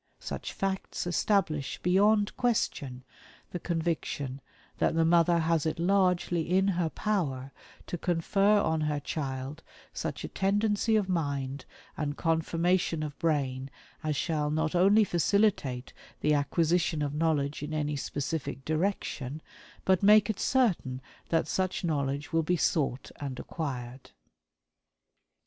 Such facts establish beyond question the conviction that the mother has it largely in her power to confer on her child such a tendency of mind and conformation of brain as shall not only facilitate the acquisition of knowledge in any specific direction, but make it certain that such knowledge will be sought and acquired."